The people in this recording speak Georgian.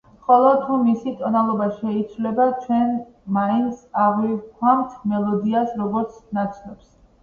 ხოლო თუ მისი ტონალობა შეიცვლება, ჩვენ მაინც აღვიქვამთ მელოდიას როგორც ნაცნობს.